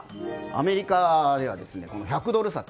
アメリカでは１００ドル札